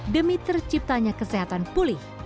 demi terciptanya kesehatan pulih